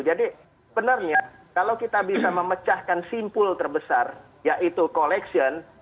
jadi sebenarnya kalau kita bisa memecahkan simpul terbesar yaitu collection